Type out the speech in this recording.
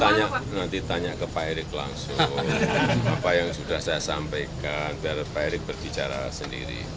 saya nanti tanya ke pak erick langsung apa yang sudah saya sampaikan biar pak erick berbicara sendiri